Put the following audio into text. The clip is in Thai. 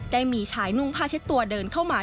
ได้มีชายนุ่งผ้าเช็ดตัวเดินเข้ามา